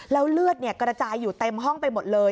แล้วเลือดกระจายอยู่เต็มห้องไปหมดเลย